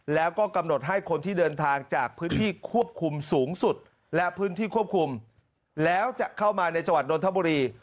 แล้วก็กำหนดให้คนที่เดินทางจากพื้นที่ควบคุมสูงสุดและพื้นที่ควบคุมแล้วจะเข้ามาในจังหวัดนทบุรี